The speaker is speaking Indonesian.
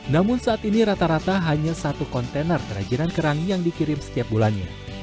namun saat ini rata rata hanya satu kontainer kerajinan kerang yang dikirim setiap bulannya